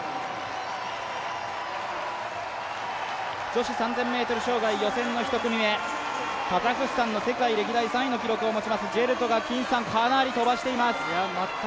女子３０００ｍ障害予選の１組目、カザフスタンの世界歴代３位の記録を持ちますジェルトがとばしています。